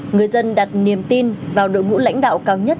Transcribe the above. người dân đặt niềm tin vào đội ngũ lãnh đạo cao nhất